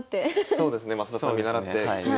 そうですね増田さんを見習って。